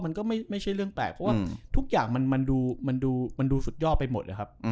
มันก็ไม่ใช่เรื่องแปลกเพราะว่าทุกอย่างมันดูสุดยอดไปหมดเลยครับ